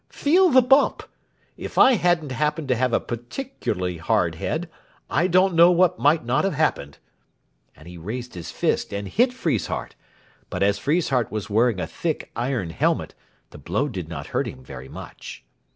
"Feel the bump. If I hadn't happened to have a particularly hard head I don't know what might not have happened;" and he raised his fist and hit Friesshardt; but as Friesshardt was wearing a thick iron helmet the blow did not hurt him very much.